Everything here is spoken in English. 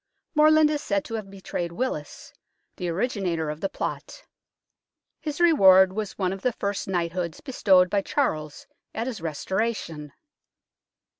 Morland is said to have betrayed Willis, the originator of the plot. His reward was one of the first knight A LOST INVENTION 207 hoods bestowed by Charles at his Restoration.